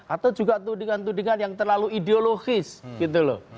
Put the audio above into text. atau juga tudingan tudingan yang terlalu ideologis gitu loh